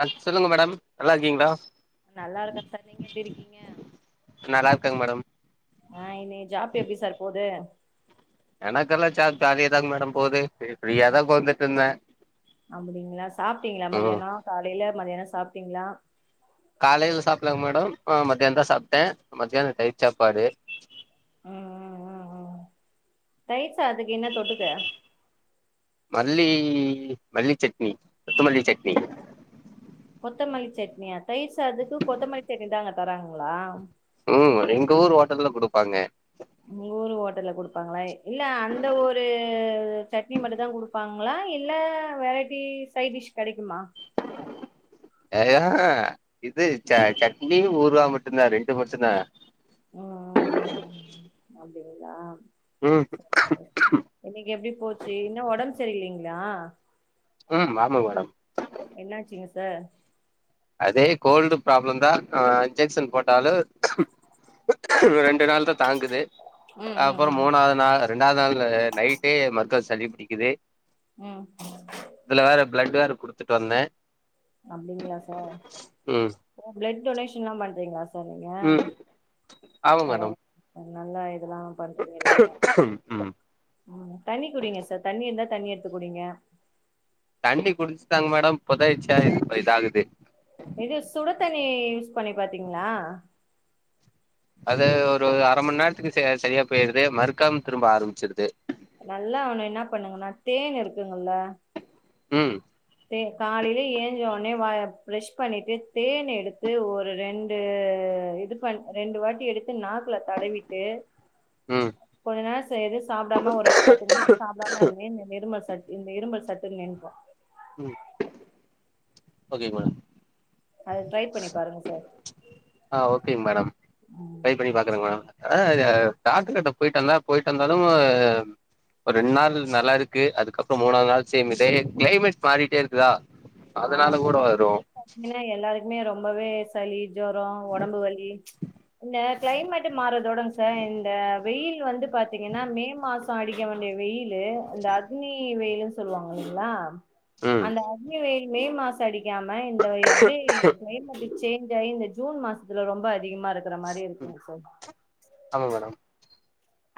அ சொல்லுங்க மேடம் நல்லாருக்கீங்ளா நல்லா இருக்கன் சார் நீங்க எப்டி இருக்கீங்க நல்லா இருக்கங்க மேடம் ஆ இன்னைக்கு ஜாப் எப்டி சார் போது எனக்கெல்லா ஜாப் ஜாலியிதாங் மேடம் போது ஆ ஃப்ரீயாதா உக்காந்துட்டு இருந்தே அப்டிங்களா சாப்பிட்டீங்ளா ம் மதியானோ காலேல மதியானோ சாப்ட்டீங்ளா காலேல சாப்லங் மேடம் மதியானந்தா சாப்ட்டே மத்தியானோ தயிர் சாப்பாடு ம் ம் ம் ம் ம் தயிர் சாதத்துக்கு என்ன தொட்டுக்க மல்லி மல்லி சட்னி கொத்தமல்லி சட்னி கொத்தமல்லி சட்னியா தயிர்சாதத்துக்கு கொத்தமல்லி சட்னி தா அங்க தராங்ளா ம் எங்க ஊர் ஹோட்டல்ல குடுப்பாங்க உங்க ஊரு ஹோட்டல்ல குடுப்பாங்ளா இல்ல அந்த ஒரு சட்னி மட்டுதா குடு ப்பாங்ளா இல்ல. வெரைட்டி சை டிஷ் கெடைக்குமா ஏயா இது ச சட்னியு ஊறுகா மட்டுந்தா ரெண்டு மட்டுந்தா அ அ அ அ அப்டிங்லா ம் இன்னைக்கு எப்டி போச்சு இன்னு ஓடம் சரிலைங்ளா ம் ஆமாங் மேடம் என்னாச்சுங் சார் அதே கோல்டு ப்ராப்ளம் தா ஆ இன்ஜெக்க்ஷன் போட்டாலு ரெண்டு நாள் தா தாங்குது ம் ம் அப்பரோ ம் மூணாவ்து நா ரெண்டாவ்து நாள் நைட்டே மருக்கா சளி புடிக்குது ம் இதுல வேற பிளட் வேற குடுத்துட்டு வந்தே அப்டிங்களா சார் ம் ப்ளட் டொனேஷன் எல்லாம் பண்றீங்ளா சா சார் நீங்க ம் ஆமா மேடம் பரவா நல்ல இதுதா பண்றீங்க நீங்க ம் ம் தண்ணி குடிங்க சார் தண்ணி இருந்தா தண்ணி எடுத்து குடிங்க தண்ணி குடிச்சுட்டாங் மேடம் புதைச்சியா இதாகுது இது சுடு தண்ணி யூஸ் பண்ணி பாத்தீங்ளா அது ஒரு அரமன் நேரத்துக்கு ச சரியா போயிடுது மறுக்காம் திரும்ப ஆரம்ச்சிடுது நல்லா அவன என்னா பண்ணுங்கன்னா தேன் இருக்குங்கல்ல ம் தே காலைலே ஏஞ்சொடனே வா ப்ரஷ் பண்ணிட்டு தேன் எடுத்து ஒரு ரெண்டு இதுபண் ரெண்டு வாட்டி எடுத்து நாக்ல தடவிட்டு ம் கொஞ்ச நேரோ சேரி சாப்டாம ஒரு பத்து நிமிஷம் சாப்டாம இருங்க இந்த நெருமல் சளி இந்த இருமல் சட்டுனு நின்ரு ம் ஓகேங்க மேடம் அது ட்ரை பண்ணி பாருங்க சார் ஆ ஓகேங் மேடம் ம் ட்ரை பண்ணி பாக்குறேங்க மேடம் ஆ டாக்டர் கிட்ட போயிட்டு வந்த போயிட்டு வந்தாலும் ஒரு ரெண்டு நாள்ல நல்லா இருக் க்கு அதுக்கப்புறோ மூணாவ்து நாள் சேம் இதே க்ளைமேட் மாறிட்டே இருக்குதா அதனால கூட வரு பாத்தீங்கனா எல்லாருக்குமே ரொம்பவே சளி ஜொரோ ஒடம்பு வலி இந்த க்ளைமேட் மாறதோடங் சார் இந்த வெயில் வந்து பாத்தீங்கனா மே மாசொ அடிக்க வேண்டிய வெயிலு இந்த அக்னி வெயிலுன் சொல்வாங்க இல்லிங்ளா அந்த ம் அக்னி வெயிலு மே மாசோ அடிக்காம இந்த வந்து க்ளைமேட்டு சேஞ்ச் ஆயி இந்த ஜுன் மாசத்துல ரொம்ப அதிகமா இருக்குற மாரி இருக்குங்க சார் ஆமா மேடம்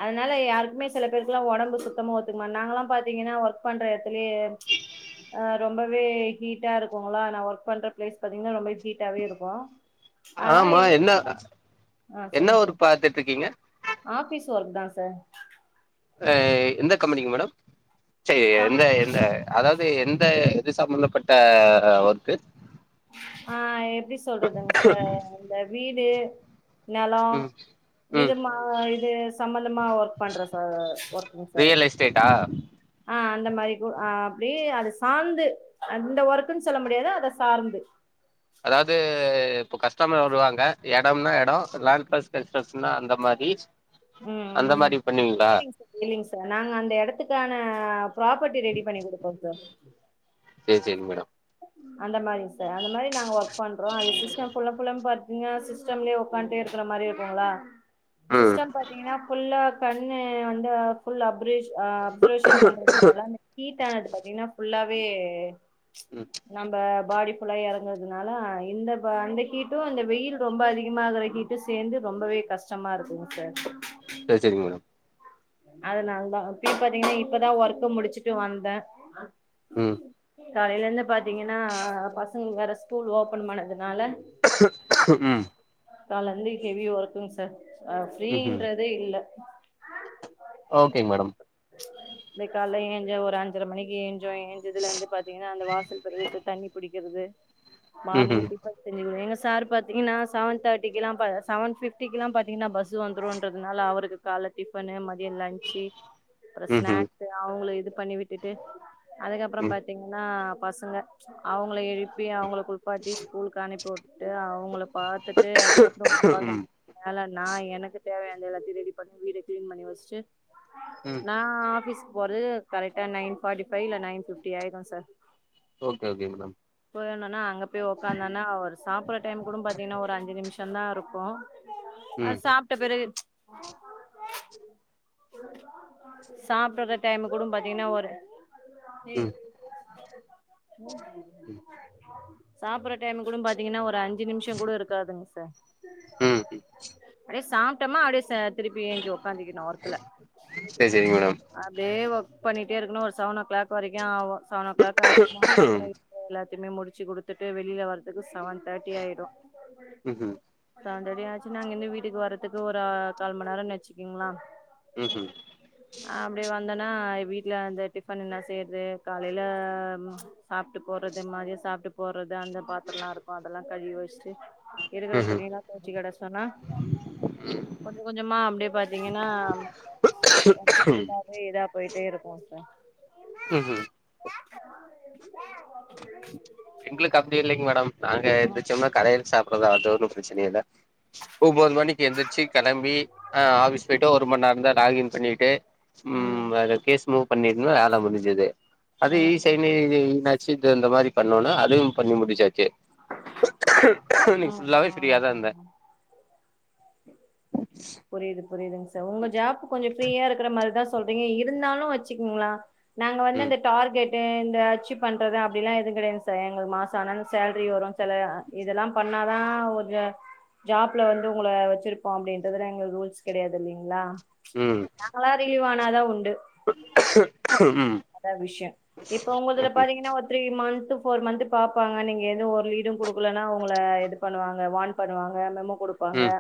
அதுனால யாருக்குமே சில பேருக்குலா ஒடம்பு சுத்தமா ஒத்துக்மா நாங்கலா பாத்தீங்கனா ஒர்க் பண்ற எடத்துலயே அ ரொம்ப ரொம்பவே ஹீட்டா இருக்குங்களா நா ஒர்க் பண்ற பிளேஸ் பாத்தீங்கன்னா ரொம்ப ஹீட்டாவே இருக்கூ ஆனா ஆமா என்ன எங்களுக்கூ பாத்திங் ஆ என்ன சொல்லுங்க சார் ஒர்க் பாத்துட்ருக்கீங்க ஆஃபீஸ் ஒர்க் தா சார் எந்த கம்பெனிங் மேடம் சே கம் எந்த எந்த அதாவ்து எந்த எது சம்பந்தப்பட்ட ஒர்க்கு ஆ எப்டி சொல்றதுங்க சார் இந்த வீடு நெலொ ம் ம் இது மா இது சம்பந்தமா ஒர்க் பண்ற சார் ஒர்க்கிங் சார் இது டா ஆ அந்த மாரி கு ஆ அப்டியே அது சாந்து அந்த ஒர்க்குனு சொல்ல முடியாது அத சார்ந்து அதாவ்து இப்போ கஸ்டமர் வருவாங்க எடம்னா எடொ லேன்ட் பஸ் எக்ஸஸ்னா அந்த மாரி அந்த மாரி பண்ணுவீங்ளா இல்லிங் சார் நாங்க அந்த எடத்துக்கான ப்ராப்பர்டி ரெடி பண்ணி குடுப்போ சார் சேரி சேரிங் மேடம் அந்த மாரிங் சார் அந்த மாரி நாங்க ஒர்க் பண்றோ அது சிஸ்டம் ஃபுல்லன் ஃபுல்லா பாத்தீங்கனா சிஸ் டம்லே உக்காண்ட்டே இருக்குற மாரி இருக்குங்களா ம் சிஸ்டம் பாத்தீங்கனா ஃபுல்லா கண்ணு வந்து ஃபுல்லா அப்ரேஜ் ஆ அப்சர்வேஷன் பண்றதுனால அந்த ஹீட்டானது பாத்தீங்கனா ஃபுல்லாவே ம் நம்ப பாடி ஃபுல்லா எறங்குறதுனால இந்த ப அந்த ஹீட்டு அந்த வெயில் ரொம்ப அதிகமாகற ஹீட் டு சேந்து ரொம்பவே கஷ்டமா இருக்குங் சார் சேரி சேரிங்க மேடம் அதனால தா இப்பயு பாத்தீங்கனா இப்பதா ஒர்க்க முடிச்சுட்டு வந்த ம் காலைல இருந்து பாத்தீங்கனா பசங்களுக்கு வேற ஸ்கூல் ஓபன் பண்ணதுனால ம் கால்ல இருந்து ஹெஃவி ஒர்க்குங் சார் ம்ஹும் ஃப்ரீன்றதே இல்ல ஓகேங் மேடம் அபே கால்ல ஏஞ்சா ஒரு அஞ்சர மணிக்கு ஏ ஞ்சோ ஏஞ்சதுல இருந்து பாத்தீங்கன்னா அந்த வாசல் பெருக்கறது தண்ணி புடிக்கிறது மார்னிங் ம்ஹும் டி ஃபன் செஞ்சு குடு எங்க சார் பாத்தீங்கன்னா செவன் தேர்ட்டிக்கிலா பா செவன் ஃபிஃப்டிக்கிலா பாத்தீங்கன்னா பஸ் ஸு வந்துருன்றதுனால அவுருக்கு கால்ல டிஃபனு ம தியோ லன்ச்சு அப்றோ ம்ஹும் ஸ்நாக்கு அவுங்கல இது பண்ணி விட்டுட்டு அதுக்கப்புறோ ம் பாத்தீங்கன்னா பசங்க அவுங்கள எழுப்பி அவுங்கல குளிப்பாட்டி ஸ்கூலுக்கு அனுப்பி உட் டு அவுங்கள பாத்துட்டு அதுக்கப்றோ ஒம்போதர ம் மேல நா எனக்கு தேவையானத எல்லாத்தையு ரெடி பண்ணி வீட கிளீன் பண்ணி வச்சுட்டு ம் நா ஆஃபீஸ்கு போறது கரெக்ட்டா நைன் ஃபார்ட்டி ஃபைவ் இல்லனா நைன் ஃபிஃப்டி ஆய்டு சார் ஓகே ஓகேங் மேடம் போய் வந்தனா அங்க போய் உக்காந்தனா அவர் சாப்பற டைம் கூட பாத்தீங்கன்னா ஒரு அஞ்சு நிம்ஷோ தா இருக்கு அ ம் சாப்ட்ட பெறகு சாப்பட்ற டைம் கூடு பாத்தீங்கன்னா ஒரு [inaudible] ம் சாப்பற டைம் கூடு பாத்தீங்கன்னா ஒரு அஞ்சு நிம்ஷோ கூட இருக்காதுங்க சார் ம் ம் அப்டே சாப்டமா அப்டே ச திருப்பி ஏஞ்சி ஒக்காந்திக்கனு ஒர்க் சேரி சேரிங்க மேடம் அப்டே ஒர்க் பண்ணிட்டே இருக்கணு ஒரு செவன் ஓ கிளாக் வரைக்கு ஆவு செவன் ஓ கிளாக் ஆச்சுனா ம்ஹூம் அதுக்கப்புறோ எல்லாத்தையுமே முடிச்சு குடுத்துட்டு வெளில வரதுக்கு செவன் தேட்டி ஆய்டு ம் ம் செவன் தேர்ட்டி ஆச்சு நா அங்க இருந்து வீட்டுக்கு வரதுக்கு ஒரு கால் மண் நேரோ வச்சுக்கோங்கள ம் ம் நா அப்டே வந்தன்னா வீட்ல அந்த டிஃபன் என்ன செய்றது காலைல சாப்ட்டு போட்றது மாதியோ சாப்ட்டு போட்றது அந்த பாத்தரோல இருக்கு அதெல்லா கழுவி வச்சுட்டு இருக்கிற ம்ஹூம் துணிலா‌ தோவச்சு கேடாஸ்ட்டோன்னா கொஞ்ச கொஞ்சமா அப்டே பாத்தீங்கன்னா கொஞ்ச ஃபுல்லாவே இதா போயிட்டே இருக்கு சார் ம் ம் [inaudible] எங்களுக்கு அப்டி இல்லைங்க மேடம் நாங்க ம் எந்துச்சோம்னா கடையில சாப்படுறது அது ஒன்னு பிரச்சனை இல்ல ஒம்போது மணிக்கு எந்திருச்சு கெளம்பி ஆ ஆ பிஸ் போய்ட்டு ஒரு மண் நேரோ தா லாகின் பண்ணிட்டு ம் அத கேஸ் மூவ் பண்ணிருந்தா வேல முடிஞ்சது அதே ம் ம் சைனே [unintelligible] இது இந்த மாரி பண்ணுனா அதுவு பண்ணி முடிச்சாச்சு இன்னிக்கு ஆமா ஃபுல்லாவே பிரியாதா ஆமா இருந்தே [inaudible] புரிது புரிதுங் சார் உங்க ஜாப் கொஞ்சோ ஃப்ரீயா இருக்கற மாரிதா சொல்றீங்க இருந்தாலு வச்சுக்கங்ளா நாங்க வந்து ம் அந்த டார்கெட்டு் இந்த அச்சீவ் பண்றது அப்டிலா எது கிடையாது சார் எங்களுக்கு மாசோ ஆனாலு சேல்ரி வரு சில அ இதல்லா பண்ணாதா ஒரு ஜாப்ல வந்து உங்கள வெச்சிருப்போ அப்டின் இதலா எங்க ரூல்ஸ் கெடையாது இல்லிங்களா ம் நாங்களா ரிலீவ்வானாதா உண்டு ம் அதா விஷயோ இப்ப உங்களுதுல பாத்திங்கன்னா த்ரீ மன்த்து ஃபோர் மன்த்து பாப்பாங்க நீங்க எதுவு ஒரு லீடூ குடுக்கலன்னா உங்கள இது பண்ணுவாங்க வார்ன் பண்ணுவாங்க மெமோ குடுப்பாங்க ம்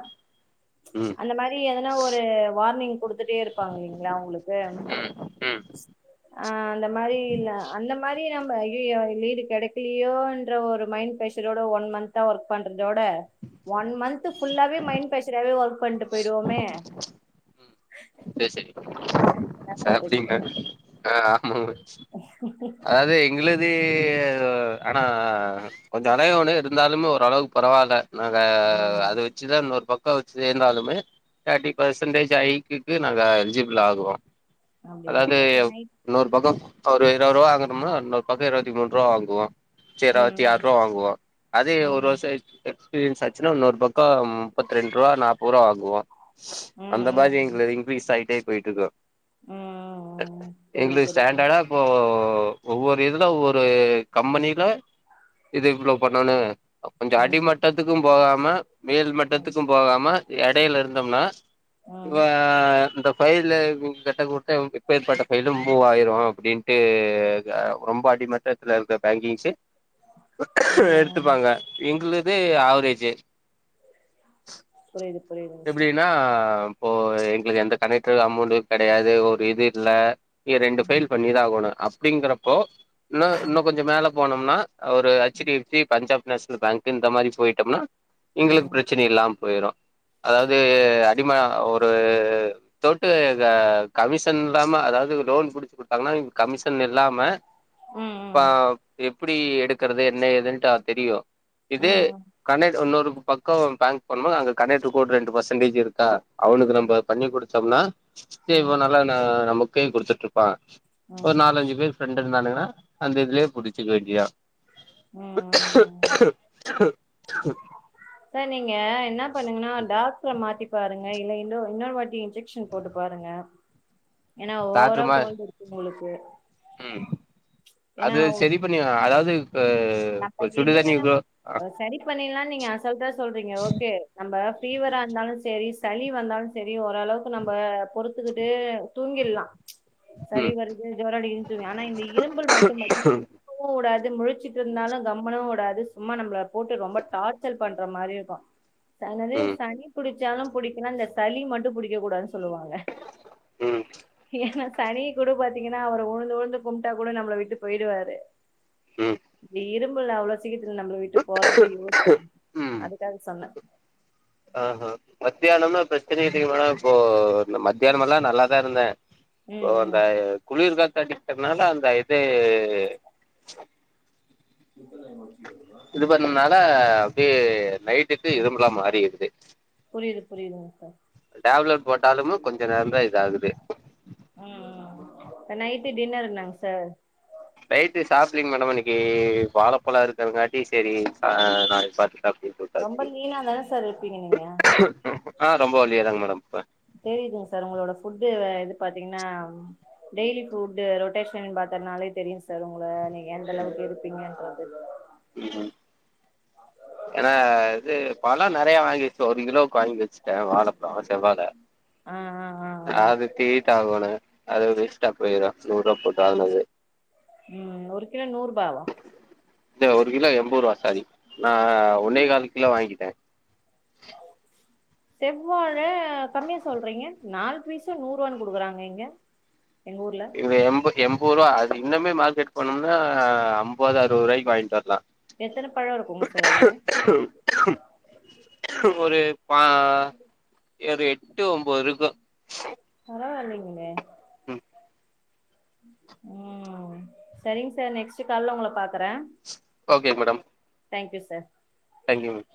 ம் அந்த மாரி எதனா ஒரு வார்னிங் குடுத் துட்டே இருப்பாங்க இல்லிங்களா உங்களுக்கு ம் ம் அ அந்த மாரி இல் அந்த மாரி நம்ம ஐயையோ லீடு கெடைக் கிலியோன்ர ஒரு மைன் பிரஷர்ரோட ஒன் மன்த்தா ஒர்க் பண்றதோட ஒன் மன்த்து ஃபுல்லாவே மைண்ட் பிரஷராவே ஒர்க் பண்ட்டு போய்டுவோமே சேர் சேரி என்ன சாப்டிங்களா சிப்டிங்க ஆ ஆமாங்க ம்ம் அதாவது எங்ளுது ஆனா கொஞ்சோ அழையோனு இருந்தாலுமு ஒரளவுக்கு பரவால நாங்க ம் அது வச்சுதா இன்னொரு பக்கோ வச் சேந்தாலுமே தேர்ட்டி பெர்சன்டேஜ் ஹைக் கு நாங்க எல்ஜிபிள் ஆகுவோ அப்டிங்களா அதாவது சார் இப்ப நைட் இன்னொரு பக்கோ ஒரு இருவது ருவா வாங்குனம்மா இன்னொரு பக்கோ இருவத்தி மூணு ருவ வாங்குவோ [unintelligible] இருவத்தி ம் ஆறு ருவா வாங்குவோ அதே ஒரு ம் வருஷோ கழிச்சு எக்ஸ்பீரியன்ஸ் ஆச்சுன்னா இன்னொரு பக்கோ முப்பத்து ரெண்டு ருவா நாற்பது ருவா வாங்குவோ ம் அந்த ம் மாதிரி ம் எங்குளுது இன்கீரீஸ் ஆயிட்டே போயிட்ருக்கு ம் ம் புரியுது எங்களுக்கு புரியுது ஸ்டாண்டர்டா இப்போ ஒவ்வொரு இதுல ஒவ்வொரு கம்பனில இது இவ்ளோ பண்ணணு கொஞ்சோ அடி ம் மட்டத்துக்கு போகாம மேல் ம் மட்டத்துக்கு போகாம எடையில இருந்தம்னா ம் ம் இவா இந்த ஃபைலு கு கெட்ட குட் இப்ப இப்பேர் பட்ட ஃபைலு மூவ் ஆயிரு அப்டீன்ட்டு க ரொம்ப அடிமட்டத்துல இருக்க பேங்கிங்ஸ்ஸு ம் எடுத்துப்பாங்க எங்களுது ஆவரேஜ்ஜு புரிது புரிது எப்படின்னா இப்போ எங்களுக்கு எந்த கனெக்டரு அமௌன்டு கெடையாது ஒரு இது இல்ல நீ ரெண்டு ம் ஃபைல் பண்ணிதா ஆகோணு அப்படிங்கறப்போ இன்னு இன்னு கொஞ்சோ மேல போனம்னா ஒரு H D F C Punjab national bank இந்த மாரி போயிட்டம்னா எங்களுக்கு ம் பிரச் சன இல்லாம போயிரு அதாவது அடிம ஒரு தோட்டு எங்க கமிஷன் இல்லாம அதாவது லோன் புடிச்சு குடுத்தாங்கன்னா நீங்க கமிஷன் இல்லாம ம் அப்ப ம் எப்படி எடுக்கறது என்ன ஏதுன்ட்டு ஆ தெரியு இது ம் கண்ணட் இன்னொரு பக்கோ பேங்க் போனம்மா அங்க கண்ணட் கோடு ரெண்டு பர்சன்டேஜ் இருக்கா அவனுக்கு நம்ப பண்ணி குடுத்தம்னா சேரி ம் பா நல்லா நா நமக்கே குடுத்துட்ருப்பாங்க ஒரு ம் நாலஞ்சு பேர் ரெண்டு இருந்தாலுங்ன்னா அந்த இதுலயே புடிச்சுக்க வேண்டியாத ம் ம் சார் நீங்க என்ன பண்ணுங்கன்னா டாக்டரை மாத்தி பாருங்க இல்ல இன்னொ இன்னொரு வாட்டி இன்ஜெக்ஷன் போட்டு பாருங்க ஏனா ஓவரா காட்டுமா கோல்டு இருக்குனு சொல்லுசு ம் அது சரி பண்ணி அதாது நம்ம இ எது சுடுதண்ணி வேணா சரி பண்ணிரலா நீங்க அசால்டா சொல்றீங்க ஓகே நம்ம ஃபீவரா இருந்தாலு சேரி சளி வந்தாலு சேரி ஓரளவுக்கு நம்ம பொறுத்துகிட்டு தூங்கிடலா சளி ம் வருது ஜோராஅடிக்குது இரு தங்க ஆனா இந்த இரும்பல மட்டு கூடாது முழச்சு இருந்தாலு கம்பளி உடாது சும்மா நம்மள போட்டு ரொம்ப டார்ச்சல் பண்ற மாரி இருக்கு என்னது ம் சனி புடிச்சாலு புடிக்கலா இந்த சளி மட்டு புடிக்க கூடாதுன்னு சொல்லுவாங்க ம் ஏனா சனி கூட பாத்தீங்கன்னா அவர் உழுந்து உழுந்து கும்பிட்டா கூட நம்மளை விட்டு போயிடுவாரு ம் இந்த இரும்பல் அவ்ளோ சீக்கிறத்துல நம்மள வீட்டு போறதுக்கு யோசிக்கு அதுக்காக சொன்னே ஆ ஹா மத்தியானம்மே பிரச்சனை இல்லைங்க மேடம் இப்போ மத்தியான மெல்லா நல்லாதா இருந்தே ம் இப்ப அந்த ம் குளிர் காத்தடிக்கிறெதுனாலே அந்த இது [unintelligible] இது பண்ணனாலே அப்டியே நைட்டுக்கு ஆ இரும்மலா மாறிடுது புரியுது புரியுதுங்க சார் டேப்லட் போட்டாலுமே கொஞ்ச நேர தா இத ஆகுது நைட்டு டின்னர்ரு என்னங்க சார் நைட்டு சாப்லிங்க மேடம் இன்னைக்கு வாழைப்பழ இருக்குருங்காட்டியு சேரி நாளைக்கு பாத்துகலா ரொம்ப லீனா தானே சார் இருப்பீங்க நீங்க ஆ ரொம்ப ஒல்லியா தாங்க மேடம் இருப்பே தெரியுதுங்க சார் உங்களோட புட் இது பாத்தீங்கன்னா டெய்லி ஃபுட் ரொட்டேஷன் பாத்தனாலே தெரியு சார் உங்க நீங்க ஏந்தளவுக்கு இருப்பீங்கன்றது ம் ம் ஏனா இது பழ நெறைய வாங்கி வச்சிடோ ஒரு கிலோக்கு வாங்கி வச்சிட்ட வாழபழ செவ்வாழ அ அ அ அது ரீட்டாவோனு அது வேஸ்டா போயிரு நூறு ரூவா போட்டு வாங்னது ம் ஒரு கிலோ நூர் ரூபாவா இல்ல ஒரு கிலோ எண்பரூவா சாரி நா ஒன்னே கால் கிலோ வாங்கிட் டே செவ்வாழ கம்மியா சொல்றீங்க நாலு பீசே நூறு ரூவான்னு குடுகுறாங்க இங்க எங்க ஊர்ல இவன் எண்ப எண்பரூவா அது இன்னமே மார்கெட் போனம்னா ஐம்பது அறுவது ரூவாய்க்கி வாங்கிட் வர்லா எத்தன பழோ இருக்குங்க சார் அதுல ஒரு பா எரு எட்டு ஒம்போருக்கு பரவாயில்லீங்களே ம் ம் சரிங் சார் நெக்ஸ்ட்டு காலைலே உங்கள பாக்குறோ okay madam thank you sir thank you ma'am